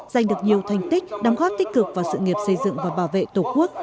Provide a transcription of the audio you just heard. giành được nhiều thành tích đóng góp tích cực vào sự nghiệp xây dựng và bảo vệ tổ quốc